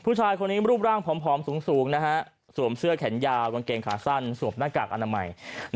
ผู้ชายคนนี้รูปร่างผอมสูงสวมเสื้อแขนยาวกางเกงขาสั้นสวมหน้ากากอนามัย